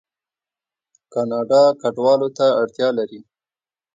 کاناډا کډوالو ته اړتیا لري.